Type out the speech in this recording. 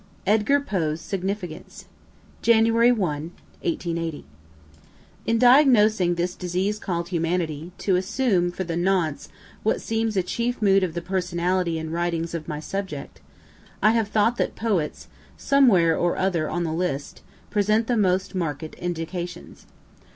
EDGAR POE'S SIGNIFICANCE Jan. 1, '80. In diagnosing this disease called humanity to assume for the nonce what seems a chief mood of the personality and writings of my subject I have thought that poets, somewhere or other on the list, present the most mark'd indications.